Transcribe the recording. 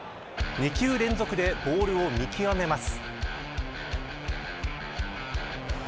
２球連続でボールを見極めます。